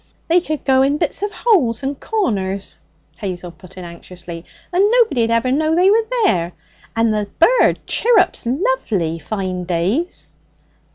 'They could go in bits of holes and corners,' Hazel put in anxiously, 'and nobody'd ever know they were there! And the bird chirrups lovely, fine days.'